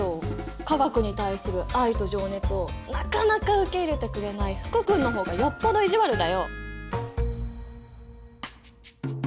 化学に対する愛と情熱をなかなか受け入れてくれない福君の方がよっぽど意地悪だよ！